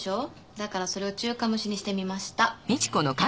だからそれを中華蒸しにしてみました。